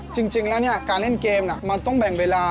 จริงแล้วการเล่นเกมมันต้องแบ่งเวลา